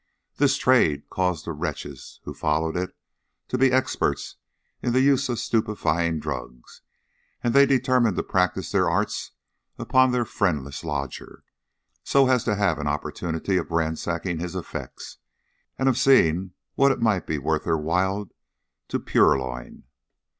This trade caused the wretches who followed it to be experts in the use of stupefying drugs, and they determined to practise their arts upon their friendless lodger, so as to have an opportunity of ransacking his effects, and of seeing what it might be worth their while to purloin.